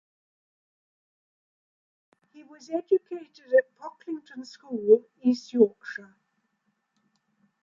He was educated at Pocklington School, East Yorkshire.